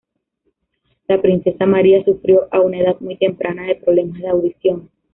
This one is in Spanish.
La princesa María sufrió a una edad muy temprana de problemas de audición.